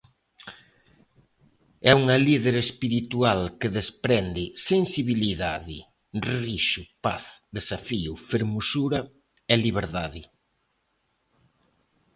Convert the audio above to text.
É unha líder espiritual que desprende sensibilidade, rixo, paz, desafío, fermosura e liberdade.